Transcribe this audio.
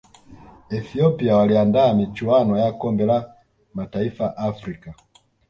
ethiopia waliandaa michuano ya kombe la mataifa afrika